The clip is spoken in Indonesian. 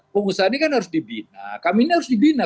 pengusaha ini kan harus dibina kami ini harus dibina